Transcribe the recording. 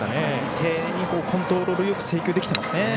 丁寧にコントロールよく制球できてますね。